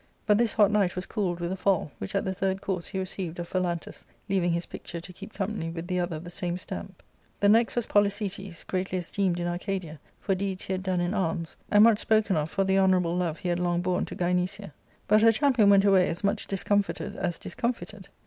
But this hot knight was cooled with a fall, which at the third course he received of Phalantus, leaving his picture to keep company with the other of the same stamp. The next was Polycetes, greatly esteemed in Arcadia for deeds he had done in arms, and much spoken of for the honourable love he had long borne to Gynecia. But her champion went away as much discomforted as discomfited.